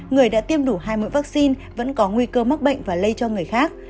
người đã tiêm đủ hai mũi vaccine vẫn có nguy cơ mắc bệnh và lây cho người khác